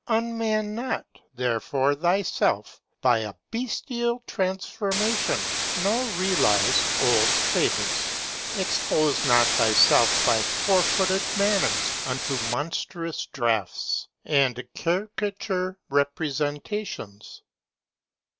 Un man not, therefore thyself by a bestial transformation, nor realise old fables. Expose not thyself by four footed manners unto monstrous draughts, and caricature representations.